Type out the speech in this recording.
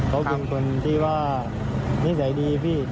เขาคือคนที่นิสัยดีพี่